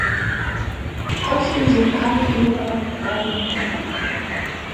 Trotzdem sind keine illegalen Grabungen bekannt.